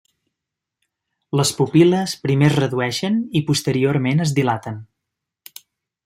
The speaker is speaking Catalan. Les pupil·les primer es redueixen i posteriorment es dilaten.